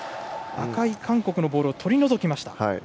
赤い韓国のボールを取り除きました。